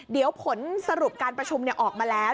เดี๋ยวผลสรุปการประชุมออกมาแล้ว